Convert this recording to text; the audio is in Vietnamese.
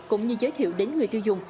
cũng như giới thiệu đến người tiêu dùng